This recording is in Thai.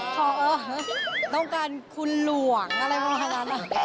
ต้องการคุณหลวงอะไรพวกนั้น